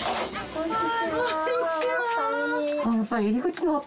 こんにちは。